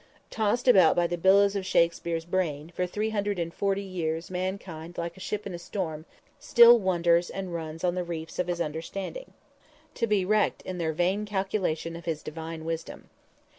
Tossed about by the billows of Shakspere's brain, for three hundred and forty years mankind like a ship in a storm, still wonders and runs on the reefs of his understanding, to be wrecked in their vain calculation of his divine wisdom.